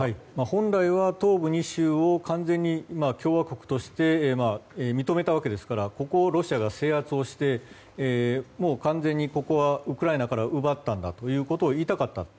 本来は、東部２州を完全に共和国として認めたわけですからここをロシアが制圧をして完全にここはウクライナから奪ったと言いたかったと。